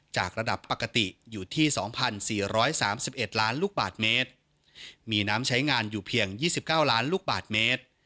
จากระดับปกติอยู่ที่สองพันสี่ร้อยสามสิบเอ็ดล้านลูกบาทเมตรมีน้ำใช้งานอยู่เพียงยี่สิบเก้าร้านลูกบาทเมตร